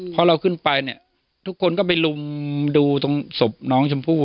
พอเราขึ้นไปเนี่ยทุกคนก็ไปลุมดูตรงศพน้องชมพู่